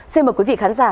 xin mời quý vị khán giả